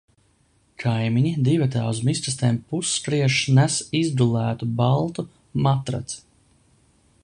Kaimiņi divatā uz miskastēm pusskriešus nes izgulētu baltu matraci.